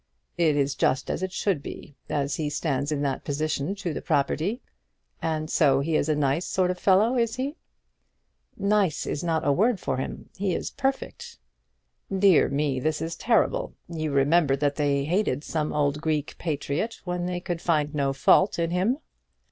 "It is just as it should be, as he stands in that position to the property. And so he is a nice sort of fellow, is he?" "Nice is no word for him. He is perfect!" "Dear me! This is terrible! You remember that they hated some old Greek patriot when they could find no fault in him?"